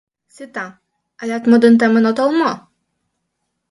Сита, алят модын темын отыл мо?